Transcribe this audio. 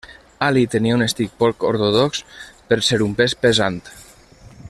Ali tenia un estil poc ortodox per ser un pes pesant.